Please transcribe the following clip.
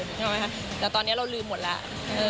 ใช่ไหมคะแต่ตอนนี้เราลืมหมดแล้ว